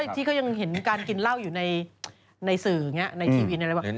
ที่เขายังเห็นการกินเหล้าอยู่ในสื่ออย่างนี้ในทีวีอะไรแบบนี้